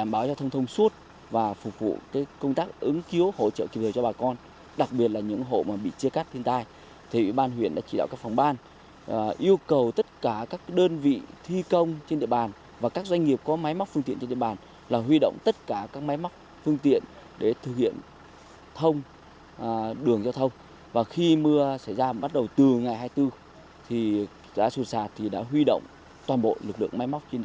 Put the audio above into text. bắt đầu từ ngày hai mươi bốn giá sụt sạt đã huy động toàn bộ lực lượng máy móc trên địa bàn để thực hiện khởi thông để đảm bảo giao thông suốt